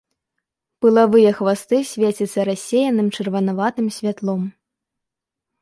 Пылавыя хвасты свецяцца рассеяным чырванаватым святлом.